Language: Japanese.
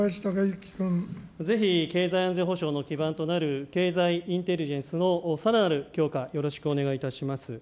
ぜひ、経済安全保障の基盤となる経済インテリジェンスのさらなる強化、よろしくお願いいたします。